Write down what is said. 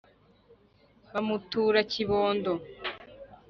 Bamutura Kibondo